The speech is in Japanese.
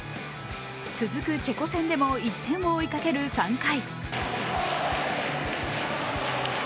続くチェコ戦でも、１点を追いかける３回。